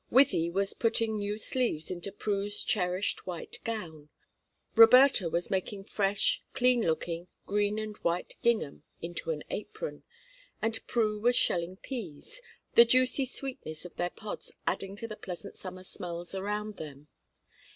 Wythie was putting new sleeves into Prue's cherished white gown, Roberta was making fresh, clean looking, green and white gingham into an apron, and Prue was shelling peas, the juicy sweetness of their pods adding to the pleasant summer smells around them.